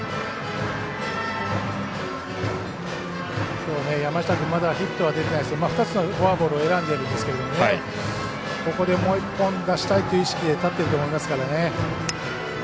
きょう山下君まだヒットは出てないですけど２つのボールを選んでいるんですけどここでもう一本出したいという意識で立ってると思いますからね。